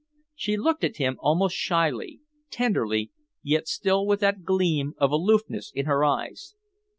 She looked at him almost shyly tenderly, yet still with that gleam of aloofness in her eyes.